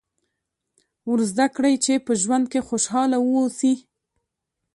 ور زده کړئ چې په ژوند کې خوشاله واوسي.